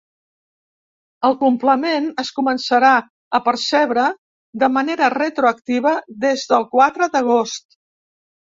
El complement es començarà a percebre de manera retroactiva des del quatre d’agost.